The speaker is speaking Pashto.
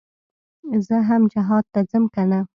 زه هم جهاد ته ځم کنه.